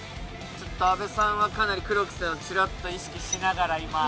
ちょっと阿部さんはかなり黒木さんをちらっと意識しながら今。